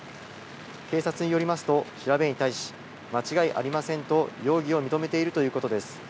警察によりますと調べに対し、間違いありませんと容疑を認めているということです。